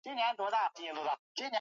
Baba anatisha